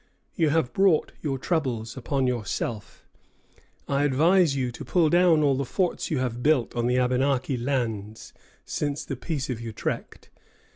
You have brought your troubles upon yourself. I advise you to pull down all the forts you have built on the Abenaki lands since the Peace of Utrecht.